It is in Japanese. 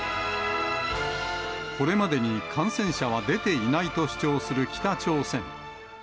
これまでに感染者は出ていないと主張する北朝鮮。